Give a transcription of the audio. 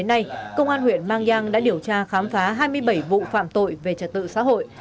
hôm nay công an huyện mang giang đã điều tra khám phá hai mươi bảy vụ phạm tội về trật tự xã hội